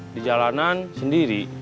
di jalanan sendiri